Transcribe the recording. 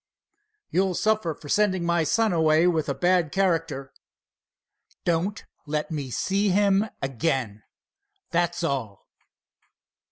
"You'll suffer for sending my son away with a bad character!" "Don't let me see him again, that's all."